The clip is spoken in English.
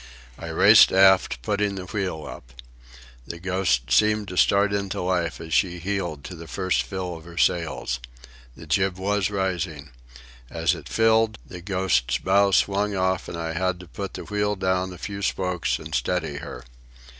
I raced aft, putting the wheel up. The Ghost seemed to start into life as she heeled to the first fill of her sails. The jib was rising. As it filled, the Ghost's bow swung off and I had to put the wheel down a few spokes and steady her.